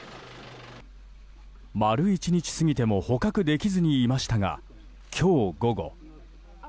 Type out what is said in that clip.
丸１日過ぎても捕獲できずにいましたが今日午後。